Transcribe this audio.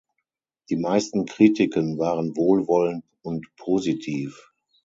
Die meisten Kritiken waren wohlwollend und positiv.